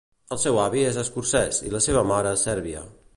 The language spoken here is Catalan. El seu avi és escocès i la seva mare sèrbia.